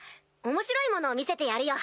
面白いものを見せてやるよ！